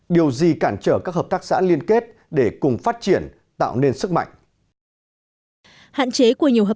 điều gì cản trở các hợp tác xã liên kết để cùng phát triển tạo nên sức mạnh